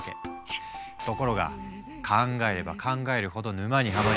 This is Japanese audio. ところが考えれば考えるほど沼にはまり